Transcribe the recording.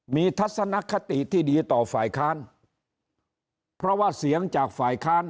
มีทัศนคติที่ดีต่อฝ่ายค้านเพราะว่าเสียงจากฝ่ายค้าน